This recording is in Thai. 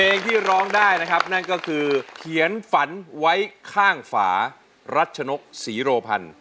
เพลงที่ร้องได้นะครับนั่นก็คือเขียนฝันไว้ข้างฝารัชนกศรีโรพันธ์